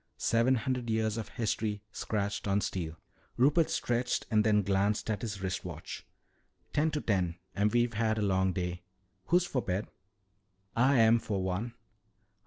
Seven hundred years of history scratched on steel." Rupert stretched and then glanced at his wrist watch. "Ten to ten, and we've had a long day. Who's for bed?" "I am, for one."